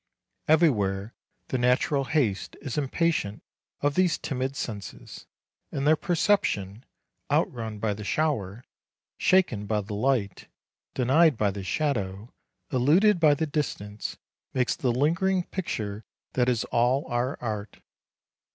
Everywhere the natural haste is impatient of these timid senses; and their perception, outrun by the shower, shaken by the light, denied by the shadow, eluded by the distance, makes the lingering picture that is all our art.